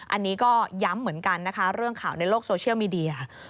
อันนี้ก็ย้ำเหมือนกันนะคะเรื่องข่าวในโลกโซเชียลมีเดีย